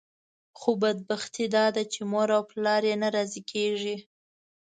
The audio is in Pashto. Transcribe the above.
خو بدبختي داده چې مور او پلار یې نه راضي کېږي.